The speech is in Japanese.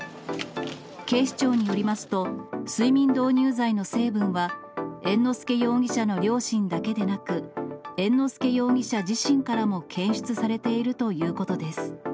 警視庁によりますと、睡眠導入剤の成分は、猿之助容疑者の両親だけでなく、猿之助容疑者自身からも検出されているということです。